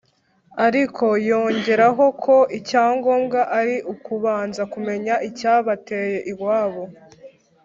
ariko yongeraho ko icyangombwa ari ukubanza kumenya icyabateye iwabo